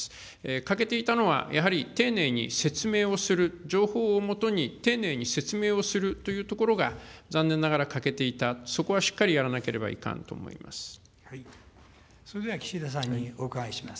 欠けていたのは、やはり丁寧に説明をする、情報を基に丁寧に説明をするというところが、残念ながら欠けていた、そこはしっかりやらなければいかんと思います。